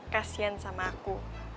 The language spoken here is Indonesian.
kasian sama aku